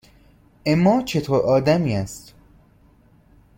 اِما چطور آدمی است؟